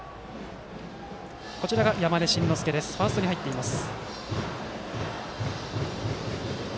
山根慎之介はファーストに入っています。